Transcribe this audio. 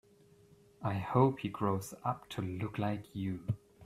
I hope he grows up to look like you.